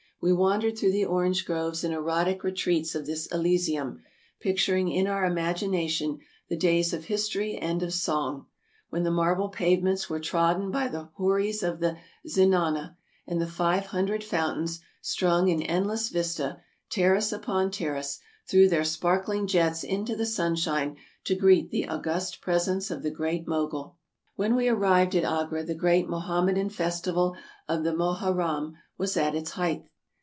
We wandered through the orange groves and erotic retreats of this elysium, picturing in our imagination the days of history and of song, when the marble pavements were trodden by the houris of the zenana, and the five hun dred fountains, strung in endless vista, terrace upon terrace, threw their sparkling jets into the sunshine to greet the august presence of the Great Mogul. When we arrived at Agra the great Mohammedan festi val of the Moharram was at its height.